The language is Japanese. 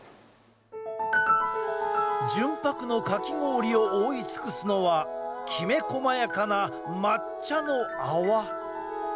純白のかき氷を覆い尽くすのはきめ細やかな抹茶の泡。